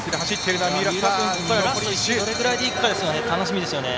どれぐらいでいくか楽しみですよね。